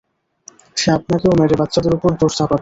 সে আপনাকেও মেরে বাচ্চাদের উপর দোষ চাপাবে।